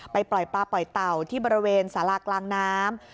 ปล่อยปลาปล่อยเต่าที่บริเวณสารากลางน้ำ